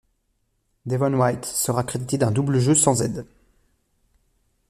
Devon White sera crédité d'un double jeu sans aide.